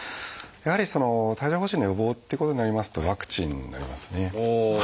やはり帯状疱疹の予防ということになりますとワクチンになりますね。